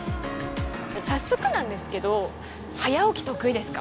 早速なんですけど早起き得意ですか？